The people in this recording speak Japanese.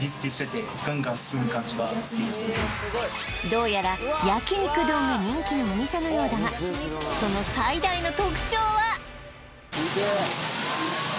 どうやら焼肉丼が人気のお店のようだがそのわーライブ感